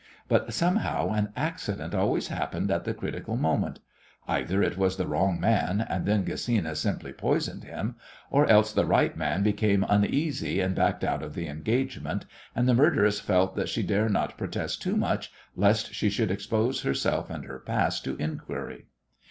But somehow an accident always happened at the critical moment. Either it was the wrong man, and then Gesina simply poisoned him, or else the right man became uneasy and backed out of the engagement, and the murderess felt that she dare not protest too much lest she should expose herself and her past to inquiry.